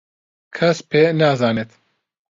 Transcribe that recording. کەس پێ نازانێت.